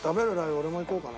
俺もいこうかな。